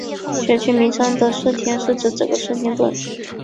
选区名称的顺天是指整个顺天邨。